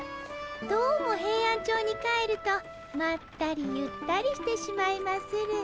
どうもヘイアンチョウに帰るとまったりゆったりしてしまいまする。